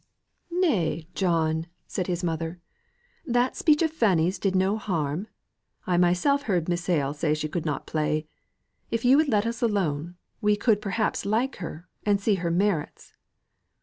"Nay! John," said his mother, "that speech of Fanny's did no harm. I myself heard Miss Hale say she could not play. If you would let us alone, we could perhaps like her, and see her merits."